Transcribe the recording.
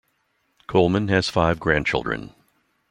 Coleman has five grandchildren.